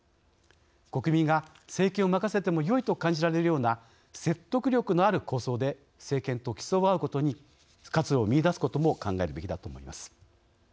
国民が政権を任せてもよいと感じられるような説得力のある構想で政権と競い合うことに活路を見いだすことも考えるべきだと思います。